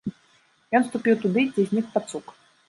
Ён ступіў туды, дзе знік пацук.